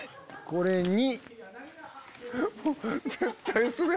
これに。